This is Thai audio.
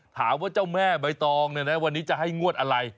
ถามว่าเจ้าแม่ใบตองเนี่ยนะวันนี้จะให้งวดอะไร